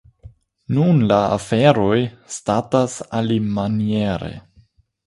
Nun la aferoj statas alimaniere.